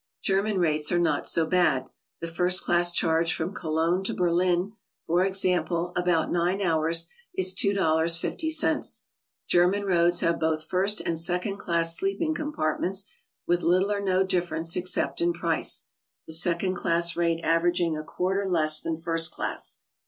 German rates are not so bad; the fi^st ciass •charge from Cologne to Berlin, for example, about nine hours, is $2.50. German roads have both first and second class sleeping compartments, with little or no difference ex cept in price, the second class rate averaging a quarter less than first class.